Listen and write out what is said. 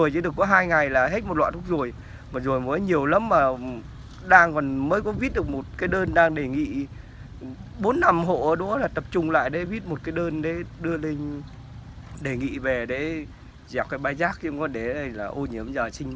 để dẹp cái bãi giác để ô nhiễm trình bệnh nhiều lắm